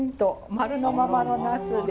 丸のままのナスで。